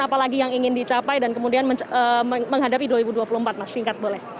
apalagi yang ingin dicapai dan kemudian menghadapi dua ribu dua puluh empat mas singkat boleh